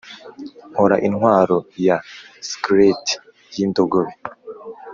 nkora intwaro ya skeleti y'indogobe